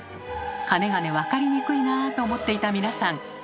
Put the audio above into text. かねがね分かりにくいなと思っていた皆さん